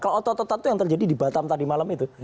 kalau otot otot itu yang terjadi di batam tadi malam itu